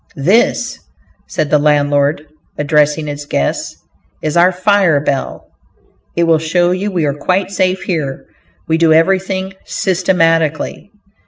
"This," said the landlord, addressing his guests, "is our fire bell; it will show you we are quite safe here; we do everything systematically."